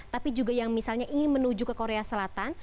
tapi juga yang misalnya ingin menuju ke korea selatan